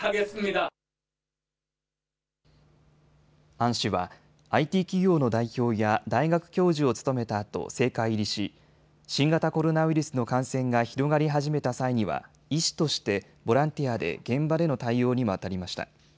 アン氏はＩＴ企業の代表や大学教授を務めたあと政界入りし、新型コロナウイルスの感染が広がり始めた際には医師としてボランティアで現場での対応にもあたりました。